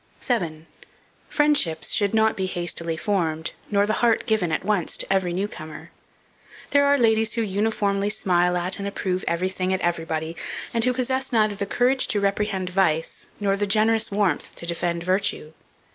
7. FRIENDSHIPS SHOULD NOT BE HASTILY FORMED, nor the heart given, at once, to every new comer. There are ladies who uniformly smile at, and approve everything and everybody, and who possess neither the courage to reprehend vice, nor the generous warmth to defend virtue.